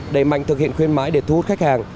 đẩy mạnh thực hiện khuyên mãi để thu hút khách hàng